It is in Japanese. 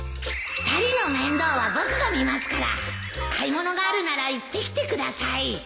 ２人の面倒は僕が見ますから買い物があるなら行ってきてください